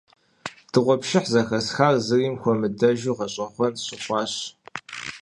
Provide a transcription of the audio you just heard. Дыгъуэпшыхь зэхэсхар зыми хуэмыдэжу гъэщӀэгъуэн сщыхъуащ.